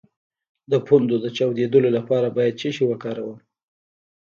د پوندو د چاودیدو لپاره باید څه شی وکاروم؟